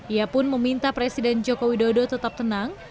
ia pun meminta presiden joko widodo tetap tenang